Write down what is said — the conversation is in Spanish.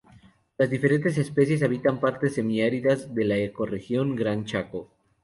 Las diferentes especies habitan partes semiáridas de la ecorregión Gran Chaco.